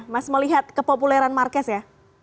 mas melihat kepopuleran marquez ya